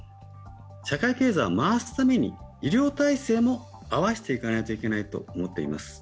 社会経済を回すために医療体制も合わせていかないといけないと思っています。